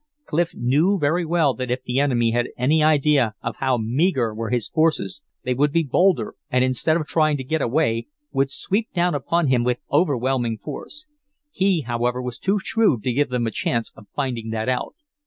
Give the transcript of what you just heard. Clif knew very well that if the enemy had any idea of how meagre were his forces they would be bolder, and instead of trying to get away would sweep down upon him with overwhelming force. He, however, was too shrewd to give them a chance of finding that out.